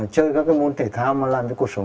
chơi các cái môn thể thao mà làm cho cuộc sống